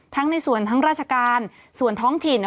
ในส่วนทั้งราชการส่วนท้องถิ่น